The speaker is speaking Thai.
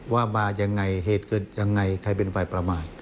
ว่ามายังไงเหตุเกิดยังไงใครเป็นฝ่ายประมาท